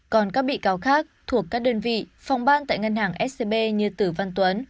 còn các bị cáo khác thuộc các đơn vị phòng ban tại ngân hàng scb như tử văn tuấn